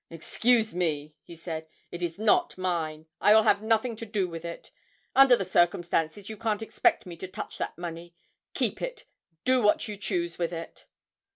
'Excuse me,' he said, 'it is not mine; I will have nothing to do with it. Under the circumstances, you can't expect me to touch that money. Keep it; do what you choose with it.'